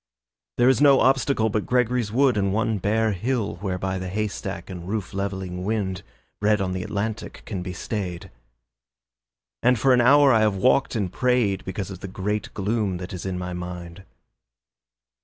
There is no obstacle But Gregory's Wood and one bare hill Whereby the haystack and roof levelling wind, Bred on the Atlantic, can be stayed; And for an hour I have walked and prayed Because of the great gloom that is in my mind.